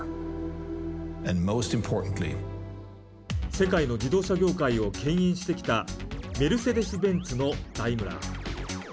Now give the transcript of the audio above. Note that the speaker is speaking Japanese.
世界の自動車業界をけん引してきたメルセデス・ベンツのダイムラー。